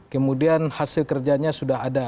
kemudian hasil kerjanya sudah ada